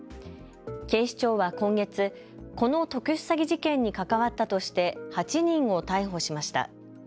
警視庁は今月、この特殊詐欺事件に関わったとして８人を逮捕しました。